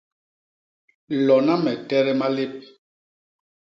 Lona me tede malép.